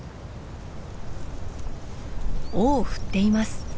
尾を振っています。